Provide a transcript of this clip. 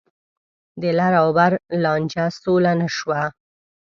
د لر او بر لانجه سوله نه شوه.